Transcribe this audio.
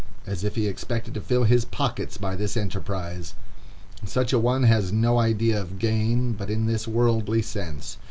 as if he expected to fill his pockets by this enterprise. Such a one has no idea of gain but in this worldly sense.